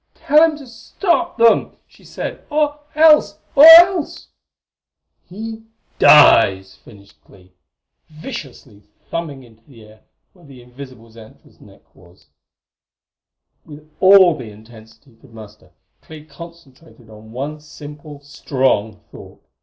"Tell him to order them to stop," she said; "or else or else " "He dies!" finished Clee, viciously thumbing into the air where the invisible Xantra's neck was. With all the intensity he could muster, Clee concentrated on one simple, strong thought.